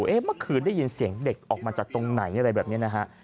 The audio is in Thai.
เมื่อคืนได้ยินเสียงเด็กออกมาจากตรงไหนอะไรแบบนี้นะฮะ